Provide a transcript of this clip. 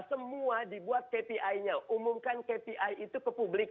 semua dibuat kpi nya umumkan kpi itu ke publik